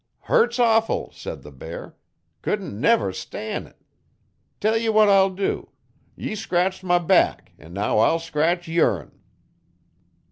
'"Hurts awful," says the bear. "Couldn't never stan' it. Tell ye what I'll dew. Ye scratched my back an' now I'll scratch your'n."